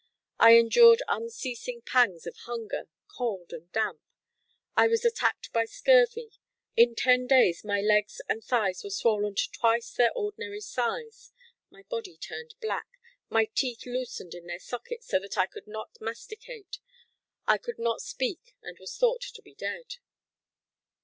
I endured unceasing pangs of hunger, cold and damp; I was attacked by scurvy; in ten days my legs and thighs were swollen to twice their ordinary size; my body turned black; my teeth loosened in their sockets so that I could not masticate; I could not speak and was thought to be dead."